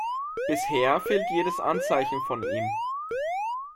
Bisher fehlt jedes Anzeichen von ihm.